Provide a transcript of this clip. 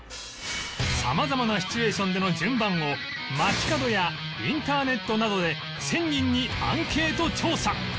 様々なシチュエーションでの順番を街角やインターネットなどで１０００人にアンケート調査